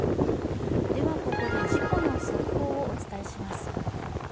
ここで事故の速報をお伝えします。